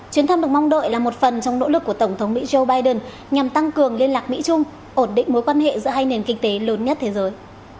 chuyến thăm được mong đợi là một phần trong nỗ lực của tổng thống mỹ joe biden nhằm tăng cường liên lạc mỹ trung ổn định mối quan hệ giữa hai nền kinh tế lớn nhất thế giới